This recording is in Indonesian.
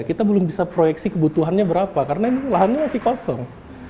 kita belum bisa proyeksi kebutuhannya berapa karena ini lahannya masih kosong